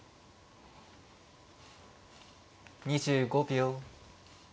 ２５秒。